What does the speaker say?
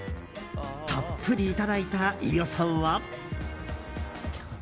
たっぷりいただいた飯尾さんは。